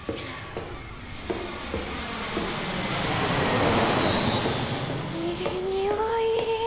うわっいい匂い。